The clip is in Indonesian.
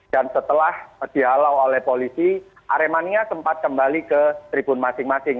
dan setelah dihalau oleh polisi aremania sempat kembali ke tribun masing masing